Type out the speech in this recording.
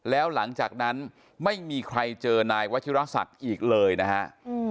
แล้วหลังจากนั้นไม่มีใครเจอนายวัชิรศักดิ์อีกเลยนะฮะ